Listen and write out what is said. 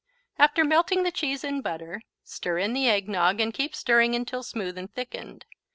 After melting the cheese in butter, stir in the eggnog and keep stirring until smooth and thickened.